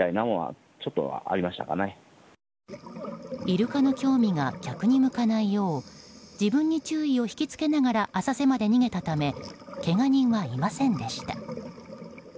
イルカの興味が客に向かないよう自分に注意をひきつけながら浅瀬に逃げたためけが人はいませんでした。